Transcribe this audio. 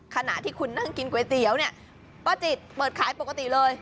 ขณะที่คุณนั่งกินก๋วยเตี๋ยวเนี่ยป้าจิตเปิดขายปกติเลย